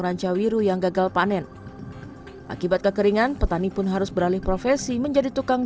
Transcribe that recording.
rancawiru yang gagal panen akibat kekeringan petani pun harus beralih profesi menjadi tukang